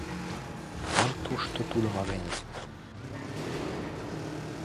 Молан тушто тудым агеныт?